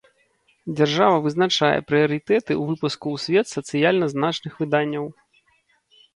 Дзяржава вызначае прыярытэты ў выпуску ў свет сацыяльна значных выданняў.